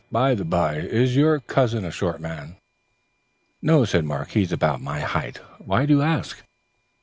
By the by, is your cousin a short man?" "No," said Mark, "he's about my height. Why do you ask?"